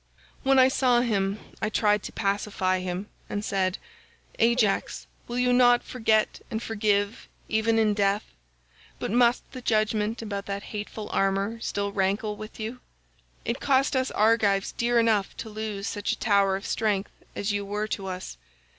"When I saw him I tried to pacify him and said, 'Ajax, will you not forget and forgive even in death, but must the judgement about that hateful armour still rankle with you? It cost us Argives dear enough to lose such a tower of strength as you were to us.